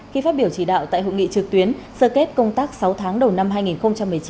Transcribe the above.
khi phát biểu chỉ đạo tại hội nghị trực tuyến sơ kết công tác sáu tháng đầu năm hai nghìn một mươi chín